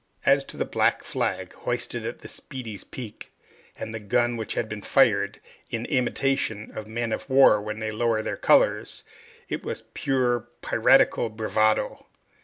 As to the black flag hoisted at the "Speedy's" peak, and the gun which had been fired, in imitation of men of war when they lower their colors, it was pure piratical bravado.